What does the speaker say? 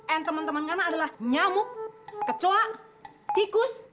and teman teman karena adalah nyamuk kecoa tikus